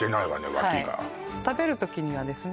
脇が食べる時にはですね